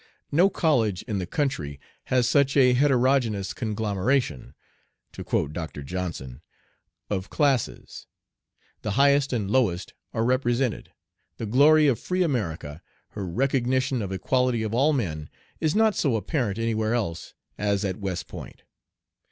No college in the country has such a "heterogeneous conglomeration" to quote Dr. Johnson of classes. The highest and lowest are represented. The glory of free America, her recognition of equality of all men, is not so apparent anywhere else as at West Point.